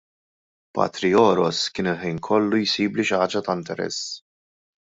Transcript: Patri Oroz kien il-ħin kollu jsibli xi ħaġa ta' interess.